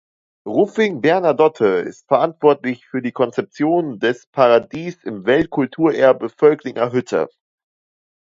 Ruffing-Bernadotte ist verantwortlich für die Konzeption des „Paradies im Weltkulturerbe Völklinger Hütte“.